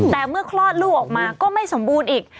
แต่เมื่อคลอดลูกออกมาก็ไม่สมบูรณ์อีก